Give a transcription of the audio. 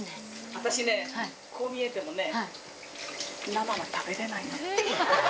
私ね、こう見えてもね、生の食べれないの。